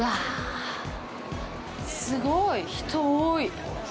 すごい、人多い。